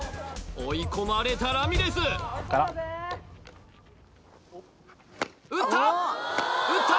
追い込まれたラミレス打った！